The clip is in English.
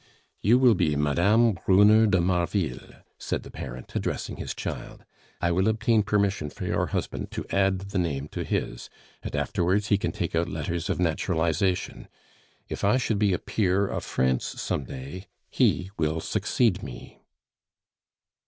"You will be Mme. Brunner de Marville," said the parent, addressing his child; "I will obtain permission for your husband to add the name to his, and afterwards he can take out letters of naturalization. If I should be a peer of France some day, he will succeed me!"